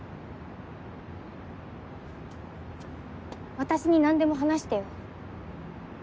私に何でも話してよ。